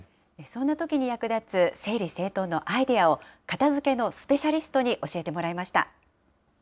そんなときに役立つ、整理整頓のアイデアを、片づけのスペシャリストに教えてもらいました。